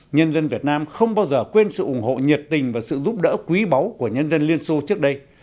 nhân dân việt nam không bao giờ quên sự ủng hộ nhiệt tình và sự giúp đỡ quý báu của nhân dân liên xô trước đây